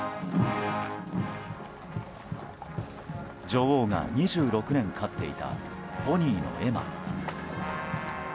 女王が２６年飼っていたポニーのエマ。